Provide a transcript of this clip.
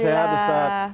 alhamdulillah sehat ustadz